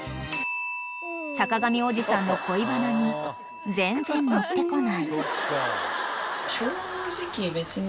［坂上おじさんの恋バナに全然乗ってこない］